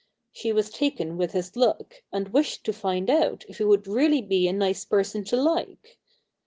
She was taken with his look, and wished to find out if he would really be a nice person to like.